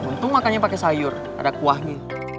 untung makannya pakai sayur ada kuahnya